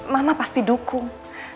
mama pasti dukung